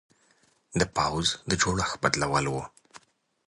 د پوځ د جوړښت بدلول و.